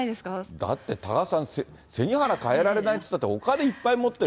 だって多賀さん、背に腹変えられないって、お金、いっぱい持ってる。